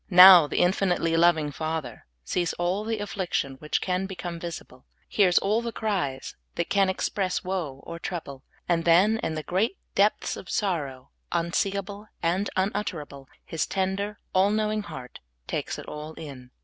Now, the infinitely loving Father sees all the af&iction which can become visible, hears all the cries that can express woe or trouble, and then, in the great depths of sorrow unseeable and unutterable, His tender, all knowing heart takes it all in.